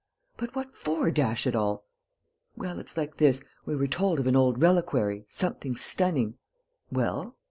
"But what for, dash it all?" "Well, it's like this: we were told of an old reliquary, something stunning...." "Well?"